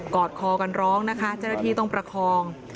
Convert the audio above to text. อดคอกันร้องนะคะเจ้าหน้าที่ต้องประคอง